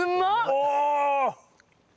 お！